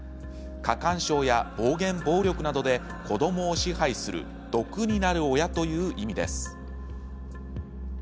過干渉や暴言、暴力などで子どもを支配する毒になる親という意味です。